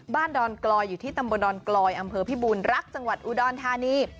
ดอนกลอยอยู่ที่ตำบลดอนกลอยอำเภอพิบูรณรักจังหวัดอุดรธานี